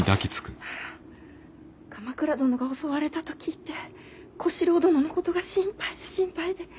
鎌倉殿が襲われたと聞いて小四郎殿のことが心配で心配で。